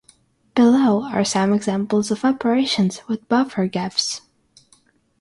Below are some examples of operations with buffer gaps.